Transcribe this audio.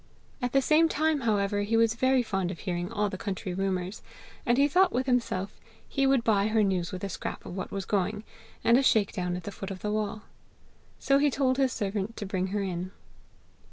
At the same time, however, he was very fond of hearing all the country rumours; and he thought with himself he would buy her news with a scrap of what was going, and a shake down at the foot of the wall. So he told his servant to bring her in.